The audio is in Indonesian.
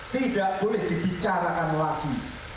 tidak boleh dibicarakan lagi